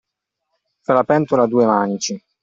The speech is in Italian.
Far la pentola a due manici.